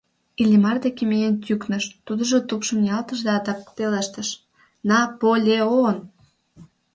Иллимар деке миен тӱкныш, тудыжо тупшым ниялтыш да адак пелештыш: «На-по-ле-он!»